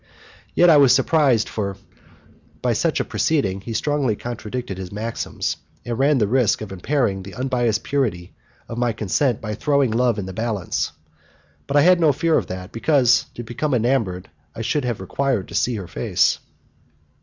Yet I was surprised, for, by such a proceeding, he strongly contradicted his maxims, and ran the risk of impairing the unbiased purity of my consent by throwing love in the balance. But I had no fear of that, because, to become enamoured, I should have required to see her face.